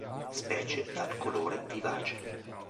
Specie dal colore vivace.